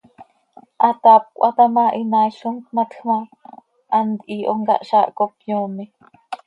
Hataap cöhata ma, hinaail com tmatj ma, hant hiihom cah zaah cop yoome.